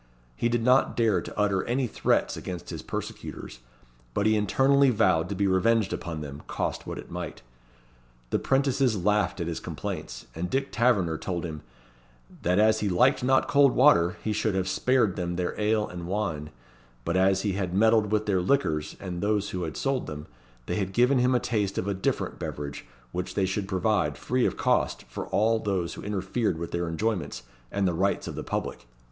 He did not dare to utter any threats against his persecutors, but he internally vowed to be revenged upon them cost what it might. The 'prentices laughed at his complaints, and Dick Taverner told him "that as he liked not cold water, he should have spared them their ale and wine; but, as he had meddled with their liquors, and with those who sold them, they had given him a taste of a different beverage, which they should provide, free of cost, for all those who interfered with their enjoyments, and the rights of the public."